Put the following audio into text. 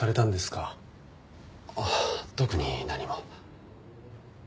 ああ特に何も。